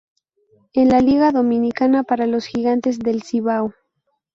En la Liga Dominicana para los Gigantes del Cibao